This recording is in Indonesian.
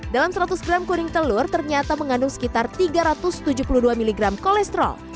dalam seratus gram kuning telur ternyata mengandung sekitar tiga ratus tujuh puluh dua miligram kolesterol